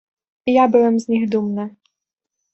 "I ja byłem z nich dumny."